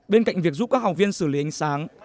bên cạnh việc giúp các học viên xử lý ánh sáng